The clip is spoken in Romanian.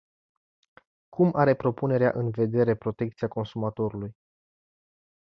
Cum are propunerea în vedere protecția consumatorului?